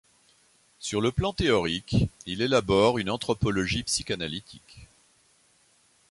Sur le plan théorique, il élabore une anthropologie psychanalytique.